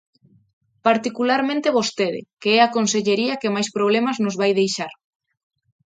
Particularmente vostede, que é a Consellería que máis problemas nos vai deixar.